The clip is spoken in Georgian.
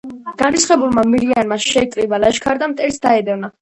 განრისხებულმა მირიანმა შეკრიბა ლაშქარი და მტერს დაედევნა.